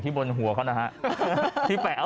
ที่บนหัวที่แป๋ว